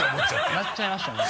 笑っちゃいましたね